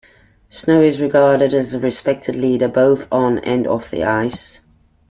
Snow was regarded as a respected leader both on and off the ice.